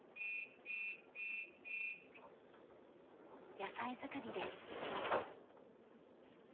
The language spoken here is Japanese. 野菜づくりです。